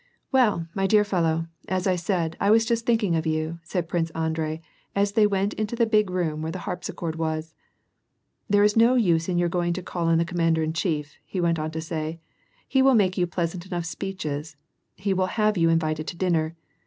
'^ Well, my dear fellow, as I said, I was just thinking of you," said Prince Andrei, as they went into the big room where the harpsichord was. " There is no use in your going to call on the commander in chief," he went on to say j "he will make you pleasant enough speeches, he will have yoa invited to dinner."